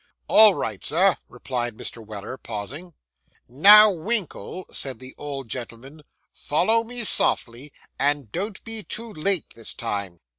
'All right, sir,' replied Mr. Weller, pausing. 'Now, Winkle,' said the old gentleman, 'follow me softly, and don't be too late this time.